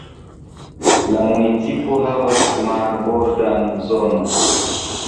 La municipo havas marbordan zonon.